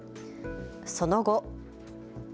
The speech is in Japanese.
その後。